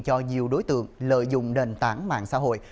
cho nhiều đối tượng lợi dụng nền tảng mạng xã hội